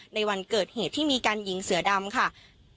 ในวันเกิดเหตุที่มีการยิงเสือดำค่ะ